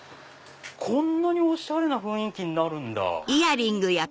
こんなにおしゃれな雰囲気になるんだ。